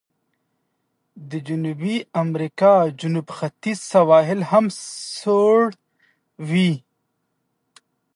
د جنوبي امریکا جنوب ختیځ سواحل هم سړ وي.